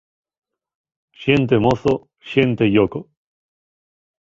Xente mozo, xente lloco.